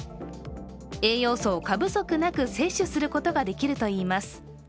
栄養素を過不足なく摂取することができるといいます。